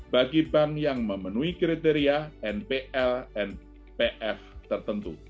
bagi bank yang memenuhi kriteria npl dan pf tertentu